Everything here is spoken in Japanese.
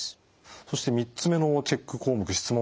そして３つ目のチェック項目質問項目